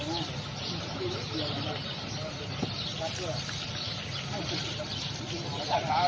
เมื่อเวลาอันดับสุดท้ายประเทศกรรมกับประเทศอเมริกา